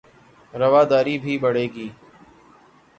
رواداری بھی بڑھے گی